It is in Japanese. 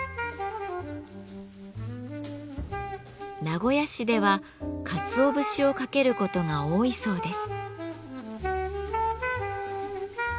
名古屋市ではかつお節をかける事が多いそうです。